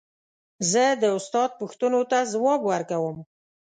زه د استاد پوښتنو ته ځواب ورکوم.